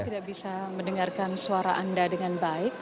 tidak bisa mendengarkan suara anda dengan baik